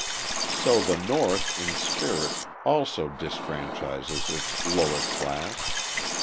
So the North, in spirit, also disfranchises its lower class.